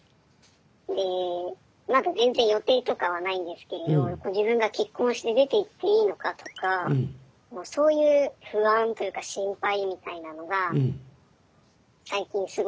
でまだ全然予定とかはないんですけれど自分が結婚して出ていっていいのかとかそういう不安というか心配みたいなのが最近すごく大きくなってきていて。